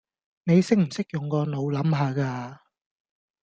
你識唔識用個腦諗吓㗎